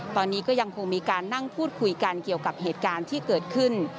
ตอนนี้ก็ยังคงมีการนั่งพูดคุยกันเกี่ยวกับเหตุการณ์ที่เกิดขึ้น